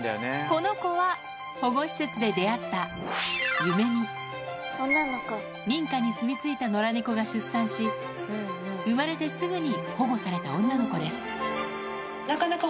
この子は保護施設で出会った民家にすみ着いた野良猫が出産し生まれてすぐに保護された女の子です